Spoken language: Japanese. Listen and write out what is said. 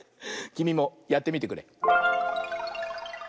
きみもやってみてくれ。